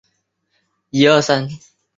曾在仰光帮助建立太阳报。